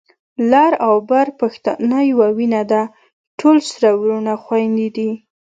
لر او بر پښتانه يوه وینه ده، ټول سره وروڼه خويندي دي